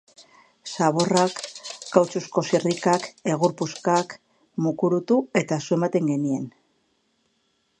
Zaborrak, kautxuzko zirrikak, egur puskak mukurutu eta su ematen genien.